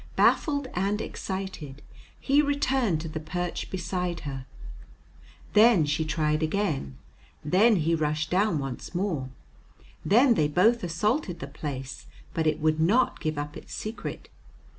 Baffled and excited, he returned to the perch beside her. Then she tried again, then he rushed down once more, then they both assaulted the place, but it would not give up its secret.